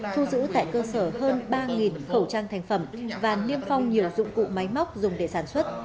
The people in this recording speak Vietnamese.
thu giữ tại cơ sở hơn ba khẩu trang thành phẩm và niêm phong nhiều dụng cụ máy móc dùng để sản xuất